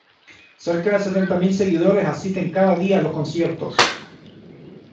Cerca de setenta mil seguidores asisten cada día a los conciertos.